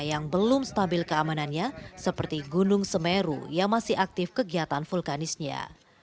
yang belum stabil keamanannya seperti gunung semeru yang masih aktif kegiatan vulkanisnya